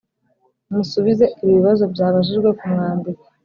musubize ibi bibazo byabajijwe ku mwandiko